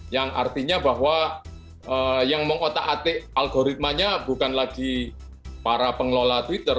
yang artinya bahwa yang mengotak atik algoritmanya bukan lagi para pengelola twitter